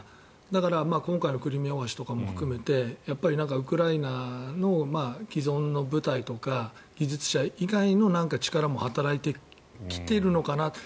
だから、今回のクリミア大橋とかも含めてやっぱりウクライナの既存の部隊とか技術者以外の力も働いてきているのかなと。